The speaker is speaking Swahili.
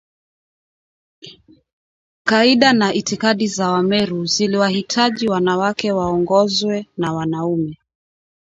Kaida na itikadi za Wameru ziliwahitaji wanawake waongozwe na wanaume